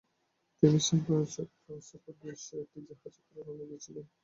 তিনি সান ফ্রান্সিসকোতে উদ্দাশে একটি জাহাজে করে রওনা দিয়েছিলেন।